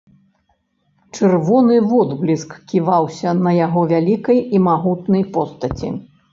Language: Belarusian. Чырвоны водбліск ківаўся на яго вялікай і магутнай постаці.